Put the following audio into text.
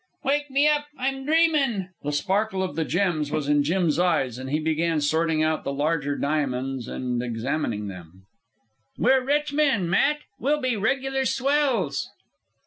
"Wake me up! I'm dreamin'!" The sparkle of the gems was in Jim's eyes, and he began sorting out the larger diamonds and examining them. "We're rich men, Matt we'll be regular swells."